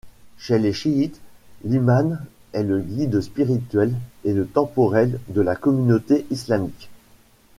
Chez les chiites, l'Imam est le guide spirituel et temporel de la communauté islamique.